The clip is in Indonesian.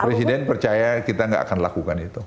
presiden percaya kita gak akan lakukan itu